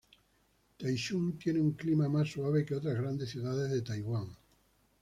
Taichung tiene un clima más suave que otras grandes ciudades en Taiwán.